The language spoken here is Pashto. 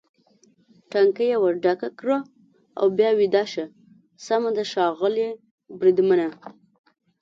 ټانکۍ یې ور ډکه کړه او بیا ویده شه، سمه ده ښاغلی بریدمنه.